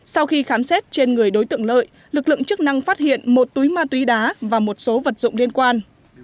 sau khi khám xét trên người đối tượng lợi lực lượng chức năng phát hiện một túi ma túy đá và một số vật dụng liên quan